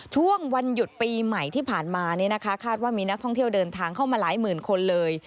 ช่วงวันหยุดปีใหม่ที่ผ่านมาคาดว่ามีนักท่องเที่ยวเดินทางเข้ามาหลายหมื่นคนเลย